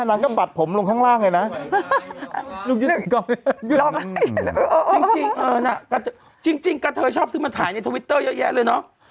นางก็ปัดผมลงข้างล่างเลยนะลูกจริงกระเทยชอบซื้อมาถ่ายในทวิตเตอร์เยอะแยะเลยเนอะ